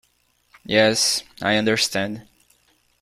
Yes, I understand.